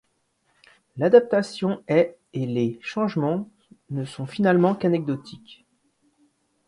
L'adaptation est et les changements ne sont finalement qu'anecdotiques.